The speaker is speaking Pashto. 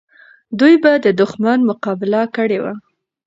دوی به د دښمن مقابله کړې وه.